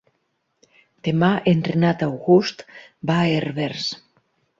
Demà en Renat August va a Herbers.